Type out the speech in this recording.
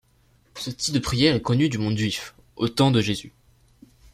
Ce type de prière est connu du monde juif, au temps de Jésus.